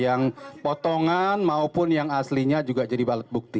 yang potongan maupun yang aslinya juga jadi alat bukti